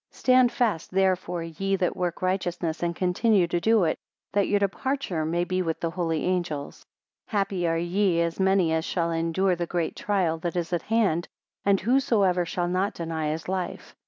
17 Stand fast therefore ye that work righteousness and continue to do it, that your departure may be with the holy angels. 18 Happy are ye, as many as shall endure the great trial that is at hand, and whosoever shall not deny his life.